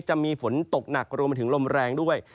จะมีฝนตกหนักรวมไปถึงลมแรงด้วย